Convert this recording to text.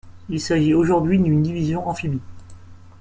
Il s'agit aujourd'hui d'une division amphibie.